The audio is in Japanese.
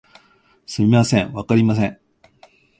すみません、わかりません